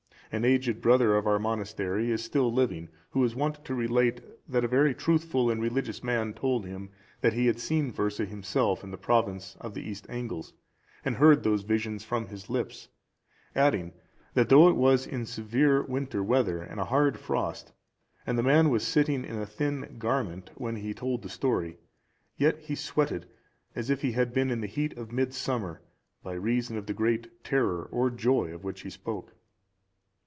An aged brother of our monastery is still living, who is wont to relate that a very truthful and religious man told him, that he had seen Fursa himself in the province of the East Angles, and heard those visions from his lips; adding, that though it was in severe winter weather and a hard frost, and the man was sitting in a thin garment when he told the story, yet he sweated as if it had been in the heat of mid summer, by reason of the great terror or joy of which he spoke.